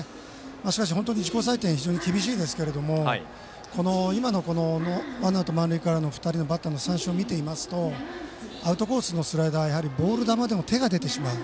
しかし本当に自己採点は厳しいですがワンアウト満塁からの２人のバッターの三振を見ていますとアウトコースのスライダーボール球でも手が出てしまう。